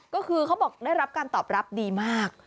ก็คือเขาบอกได้รับการตอบรับดีมาก